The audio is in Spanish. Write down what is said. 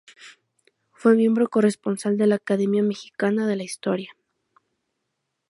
Fue miembro corresponsal de la Academia Mexicana de la Historia.